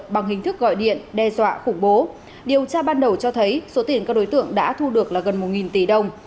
bằng hình thức gọi điện đe dọa khủng bố điều tra ban đầu cho thấy số tiền các đối tượng đã thu được là gần một tỷ đồng